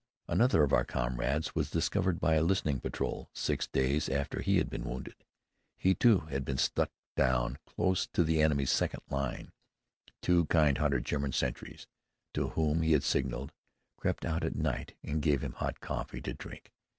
Another of our comrades was discovered by a listening patrol, six days after he had been wounded. He, too, had been struck down close to the enemy's second line. Two kind hearted German sentries, to whom he had signaled, crept out at night and gave him hot coffee to drink.